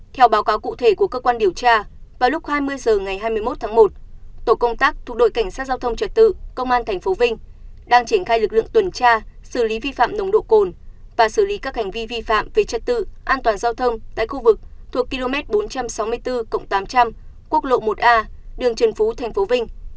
theo báo cáo cụ thể của cơ quan điều tra vào lúc hai mươi h ngày hai mươi một tháng một tổ công tác thuộc đội cảnh sát giao thông trật tự công an tp vinh đang triển khai lực lượng tuần tra xử lý vi phạm nồng độ cồn và xử lý các hành vi vi phạm về trật tự an toàn giao thông tại khu vực thuộc km bốn trăm sáu mươi bốn tám trăm linh quốc lộ một a đường trần phú tp vinh